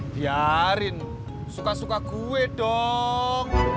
biarin suka suka kue dong